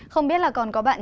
không biết là còn có bạn